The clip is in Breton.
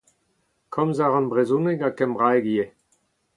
Komz a ran brezhoneg ha kembraeg ivez.